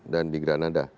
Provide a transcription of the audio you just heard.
dan di granada